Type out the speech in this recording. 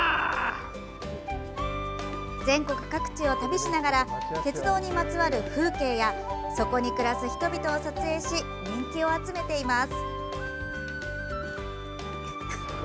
全国各地を旅しながら鉄道にまつわる風景やそこに暮らす人々を撮影し人気を集めています。